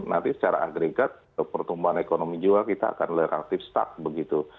nanti secara agregat pertumbuhan ekonomi juga kita akan relatif start begitu